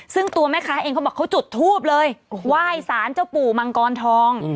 ซึ่งตัวแม่ค้าเองเขาบอกเขาจุดทูบเลยไหว้สารเจ้าปู่มังกรทอง